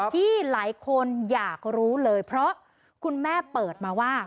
ที่หลายคนอยากรู้เลยเพราะคุณแม่เปิดมาว่า